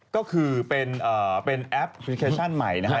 ก็คือเป็นแอปพลิเคชันใหม่นะฮะ